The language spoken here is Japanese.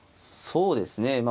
そうですね